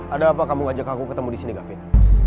ada apa kamu ngajak aku ketemu disini gafin